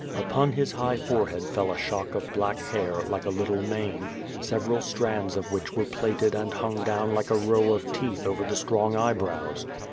Upon his high forehead fell a shock of bl&ck hair^ like a little mane, several strands of which were plaited and hung down like a row of teeth over the strong eyebrows.